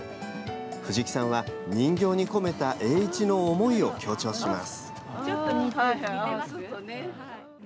藤木さんは人形に込めた栄一の思いを強調します。